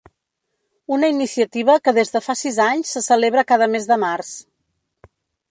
Una iniciativa que des de fa sis anys se celebra cada mes de març.